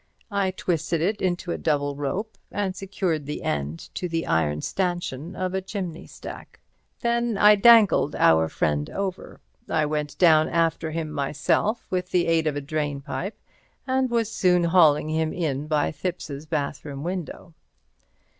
I twisted it into a double rope, and secured the end to the iron stanchion of a chimney stack. Then I dangled our friend over. I went down after him myself with the aid of a drain pipe and was soon hauling him in by Thipps's bathroom window.